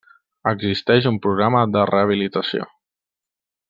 Existeix un programa de rehabilitació.